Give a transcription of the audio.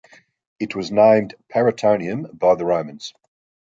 It was named Paraetonium by the Romans.